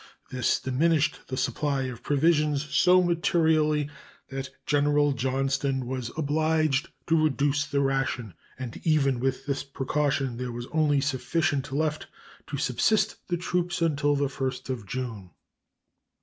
This diminished the supply of provisions so materially that General Johnston was obliged to reduce the ration, and even with this precaution there was only sufficient left to subsist the troops until the 1st of June.